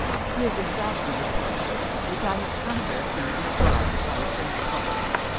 He is exactly the character which I have somewhere seen described by a French poet.